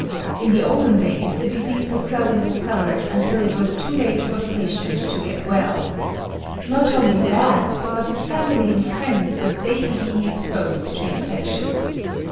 In the olden days the disease was seldom discovered until it was too late for the patient to get well. Not only that, but the family and friends were daily being exposed to infection.